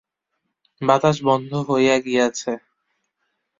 বাতাস বন্ধ হইয়া গিয়াছে।